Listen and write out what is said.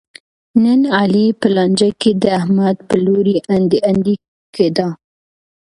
نن علي په لانجه کې د احمد په لوري انډی انډی کېدا.